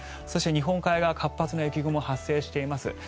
そして、日本海側活発な雪雲が発生しています。